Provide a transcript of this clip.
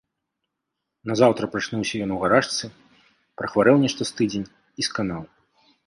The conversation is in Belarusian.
Назаўтра прачнуўся ён у гарачцы, прахварэў нешта з тыдзень і сканаў.